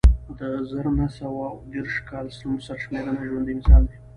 د زر نه سوه اووه دېرش کال سرشمېرنه ژوندی مثال دی